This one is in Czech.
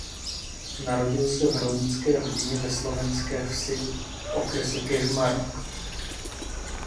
Narodil se v rolnické rodině ve Slovenské Vsi v okrese Kežmarok.